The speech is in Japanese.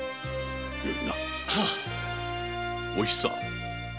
お久。